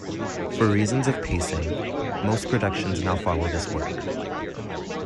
For reasons of pacing, most productions now follow this order.